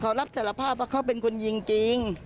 เขารับสารภาพว่าเขาเป็นคนยิงจริง